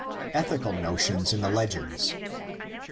ETHICAL NOTIONS IN THE LEGENDS.